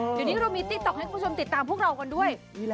เดี๋ยวนี้เรามีติ๊กต๊อกให้คุณผู้ชมติดตามพวกเรากันด้วย